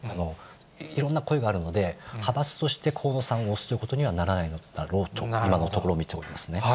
いろんな声があるので、派閥として河野さんを押すということにはならないだろうと、今のところ、見ておりますね。